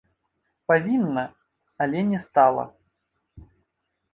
Павінна, але не стала.